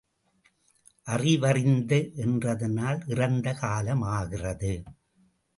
அறிவறிந்த என்றதனால் இறந்த காலமாகிறது.